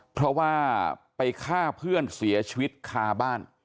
เพราะว่าไปฆ่าเพื่อนเสียชีวิตคาบ้าน